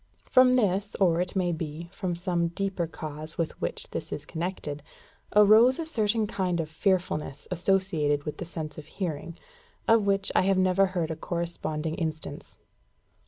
From this, or, it may be, from some deeper cause with which this is connected, arose a certain kind of fearfulness associated with the sense of hearing, of which I have never heard a corresponding instance.